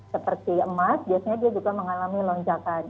seperti emas biasanya dia juga mengalami lonjakan